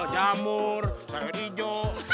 jamur sayur hijau